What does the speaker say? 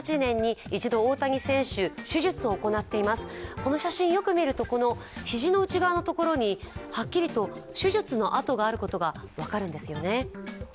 この写真よく見ると、肘の内側のところに、はっきりと手術の痕があることが分かるんですよね。